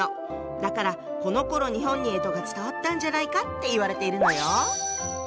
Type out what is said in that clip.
だからこのころ日本に干支が伝わったんじゃないかっていわれているのよ。